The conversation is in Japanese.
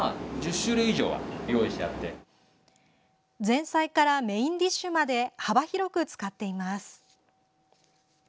前菜からメインディッシュまで幅広く使っています。